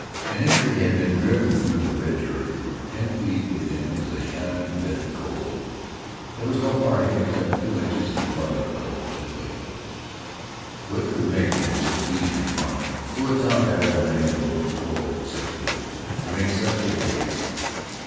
An entry had been driven through the rich earth and ten feet within was a shining bed of coal. There was no parting except two inches of mother of coal midway, which would make it but easier to mine. Who had taught that old man to open coal in such a way to make such a facing?